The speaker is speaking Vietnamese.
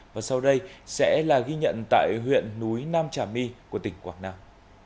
và sau đây sẽ là ghi nhận tại huyện núi nam trà my của tỉnh quảng nam